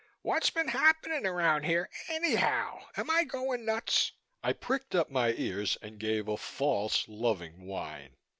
What's been happening around here, anyhow? Am I going nuts?" I pricked up my ears and gave a false, loving whine.